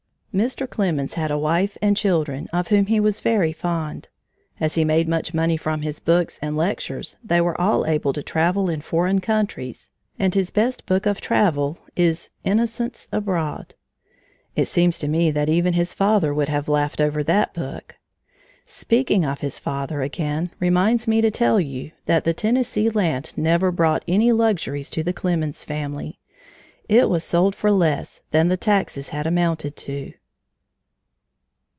Mr. Clemens had a wife and children of whom he was very fond. As he made much money from his books and lectures, they were all able to travel in foreign countries, and his best book of travel is Innocents Abroad. It seems to me that even his father would have laughed over that book. Speaking of his father again reminds me to tell you that the Tennessee land never brought any luxuries to the Clemens family. It was sold for less than the taxes had amounted to.